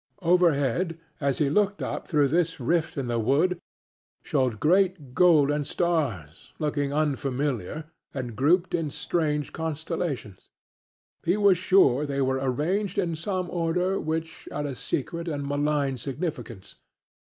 Over head, as he looked up through this rift in the wood, shone great golden stars looking unfamiliar and grouped in strange constellations. He was sure they were arranged in some order which had a secret and malign significance.